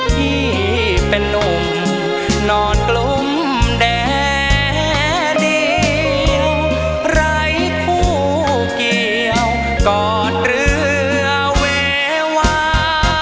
ที่เป็นนุ่มนอนกลมแดเดียวไร้คู่เกี่ยวกอดเรือเววา